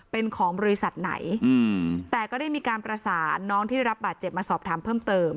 เป็นของบริษัทไหนอืมแต่ก็ได้มีการประสานน้องที่ได้รับบาดเจ็บมาสอบถามเพิ่มเติม